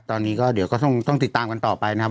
ตอนนี้ก็เดี๋ยวก็ต้องติดตามกันต่อไปนะครับ